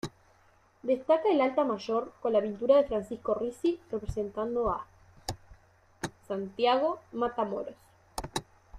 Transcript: Destaca el altar mayor, con la pintura de Francisco Rizi representando a "Santiago Matamoros".